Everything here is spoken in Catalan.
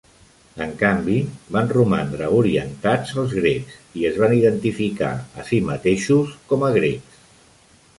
En canvi, van romandre orientats als grecs i es van identificar a si mateixos com a grecs.